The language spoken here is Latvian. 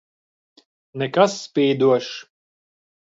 Nekas spīdošs.